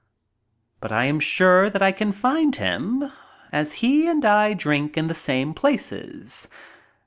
But I am sure that I can find him, as he and I drink in the same places.